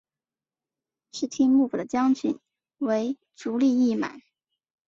室町幕府的将军为足利义满。